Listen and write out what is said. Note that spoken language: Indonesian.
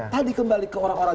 tadi kembali ke orang orang